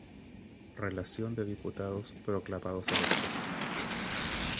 Relación de diputados proclamados electos.